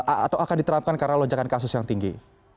atau akan diterapkan karena lonjakan kasus yang tinggi